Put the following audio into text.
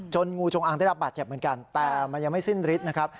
งูจงอางได้รับบาดเจ็บเหมือนกันแต่มันยังไม่สิ้นฤทธิ์นะครับ